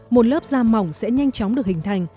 một lớp da mỏng sẽ nhanh chóng được hình thành